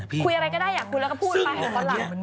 คุยอะไรก็ได้อยากคุยแล้วก็พูด